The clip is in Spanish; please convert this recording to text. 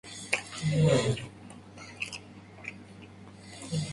Rest in peace, friend.